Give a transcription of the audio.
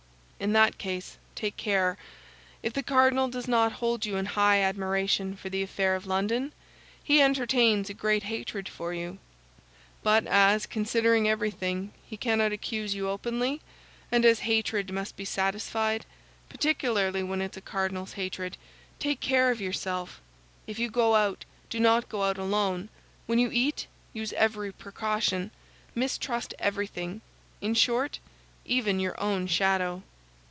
"In that case, take care! If the cardinal does not hold you in high admiration for the affair of London, he entertains a great hatred for you; but as, considering everything, he cannot accuse you openly, and as hatred must be satisfied, particularly when it's a cardinal's hatred, take care of yourself. If you go out, do not go out alone; when you eat, use every precaution. Mistrust everything, in short, even your own shadow."